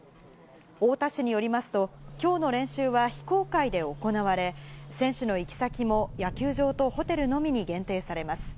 太田市によりますと、きょうの練習は非公開で行われ、選手の行き先も野球場とホテルのみに限定されます。